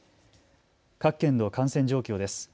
各県の感染状況です。